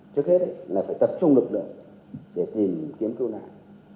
trước hết là phải tập trung lực lượng để tìm kiếm cứu nạn